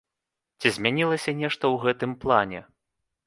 Ці змянілася нешта ў гэтым плане?